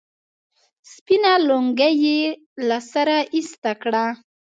سپينه لونگۍ يې له سره ايسته کړه.